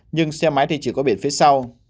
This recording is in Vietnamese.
nhưng xe máy thì chỉ có biển phía sau